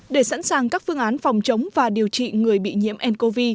để sẵn sàng các phương án phòng chống và điều trị người bị nhiễm ncov